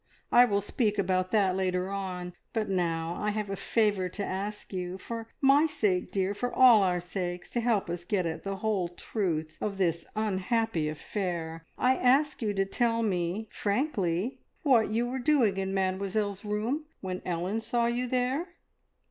I will speak about that later on, but now I have a favour to ask you. For my sake, dear for all our sakes to help us to get at the whole truth of this unhappy affair, I ask you to tell me frankly what you were doing in Mademoiselle's room when Ellen saw you there?"